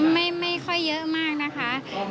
ไม่ค่อยเยอะมากนะคะ